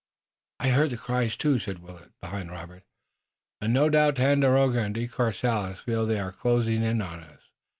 "I heard the cries, too," said Willet, behind Robert, "and no doubt Tandakora and De Courcelles feel they are closing in on us.